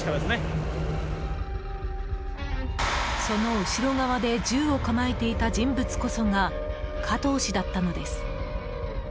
その後ろ側で銃を構えていた人物こそが加藤氏だったのです。